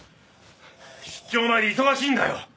出張前で忙しいんだよ！